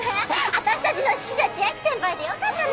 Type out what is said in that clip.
わたしたちの指揮者千秋先輩でよかったね。